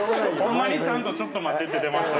ホンマにちゃんと「ちょっと待って」って出ました。